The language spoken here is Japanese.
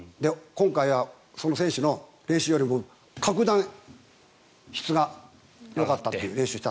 今回はその選手の練習よりも格段に質がよかったという。